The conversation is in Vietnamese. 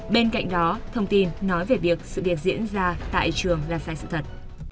bên cạnh đó thông tin nói về việc sự việc diễn ra tại trường là sai sự thật